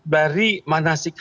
dari manasik haji